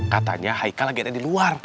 katanya haika lagi ada di luar